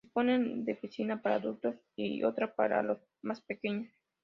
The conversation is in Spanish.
Disponen de piscina para adultos y otra para los más pequeños.